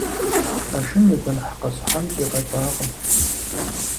А шым и гуэныхь къэсхьам сигъэкӀуакъым.